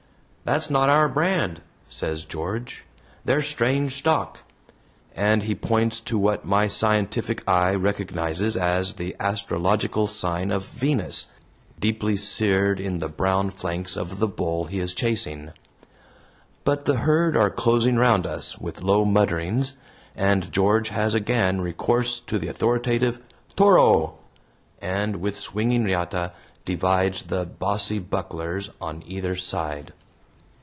"That's not our brand," says George; "they're strange stock," and he points to what my scientific eye recognizes as the astrological sign of Venus deeply seared in the brown flanks of the bull he is chasing. But the herd are closing round us with low mutterings, and George has again recourse to the authoritative "TORO," and with swinging riata divides the "bossy bucklers" on either side.